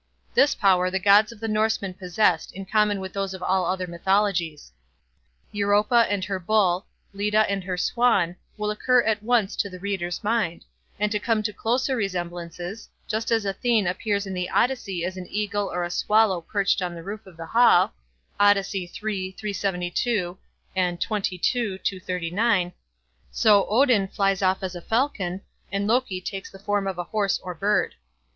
This power the gods of the Norseman possessed in common with those of all other mythologies. Europa and her Bull, Leda and her Swan, will occur at once to the reader's mind; and to come to closer resemblances, just as Athene appears in the Odyssey as an eagle or a swallow perched on the roof of the hall, so Odin flies off as a falcon, and Loki takes the form of a horse or bird.